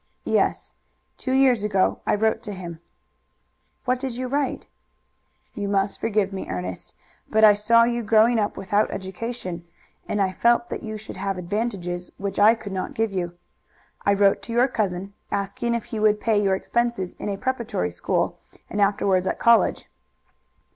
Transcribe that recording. "Yes; two years ago I wrote to him." "What did you write?" "You must forgive me, Ernest, but I saw you growing up without education, and I felt that you should have advantages which I could not give you. I wrote to your cousin, asking if he would pay your expenses in a preparatory school and afterwards at college."